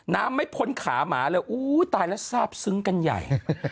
น้ำไม่พ้นขาหมาเลยอู้ตายแล้วทราบซึ้งกันใหญ่